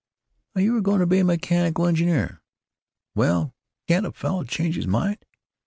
" "Thought you were going to be a mechanical engineer?" "Well, can't a fellow change his mind?